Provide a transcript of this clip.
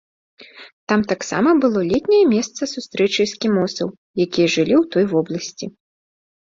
Там таксама было летняе месца сустрэчы эскімосаў, якія жылі ў той вобласці.